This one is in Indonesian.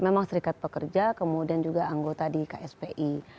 memang serikat pekerja kemudian juga anggota di kspi